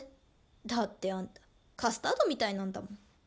だってあんたカスタードみたいなんだもん。